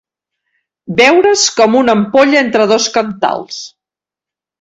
Veure's com una ampolla entre dos cantals.